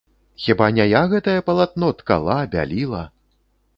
Хіба не я гэтае палатно ткала, бяліла?